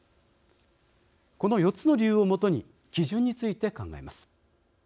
この４つの理由をもとに基準について考えます。